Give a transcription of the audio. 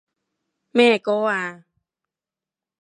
咩歌啊？